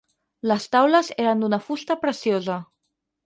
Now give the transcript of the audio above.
Les taules eren d'una fusta preciosa.